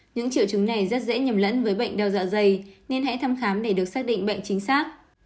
những triệu chứng này rất dễ nhầm lẫn với bệnh đau dạ dày nên hãy thăm khám để được xác định bệnh chính xác